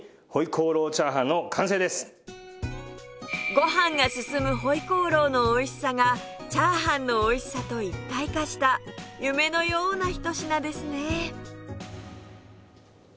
ご飯が進む回鍋肉のおいしさがチャーハンのおいしさと一体化した夢のようなひと品ですね